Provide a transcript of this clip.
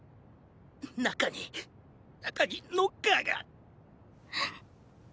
中に中にノッカーがッ！